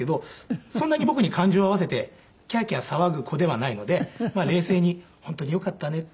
そんなに僕に感情を合わせてキャーキャー騒ぐ子ではないのでまあ冷静に「本当によかったね」って。